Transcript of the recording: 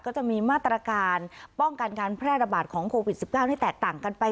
ก็จะมีมาตรการป้องกันการแพร่ระบาดของโควิด๑๙ที่แตกต่างกันไป